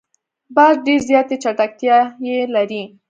باز ډېر زیاتې چټکتیا لري